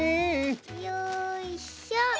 よいしょ。